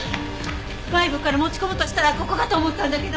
外部から持ち込むとしたらここかと思ったんだけど。